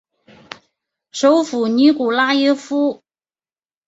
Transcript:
首府尼古拉耶夫。